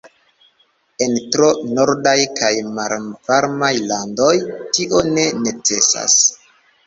En tro nordaj kaj malvarmaj landoj, tio ne necesas.